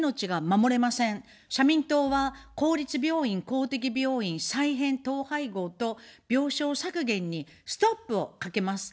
社民党は、公立病院・公的病院再編・統廃合と病床削減にストップをかけます。